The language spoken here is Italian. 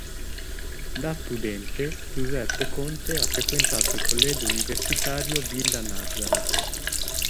Da studente, Giuseppe Conte ha frequentato il collegio universitario Villa Nazareth.